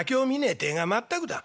ってえが全くだ。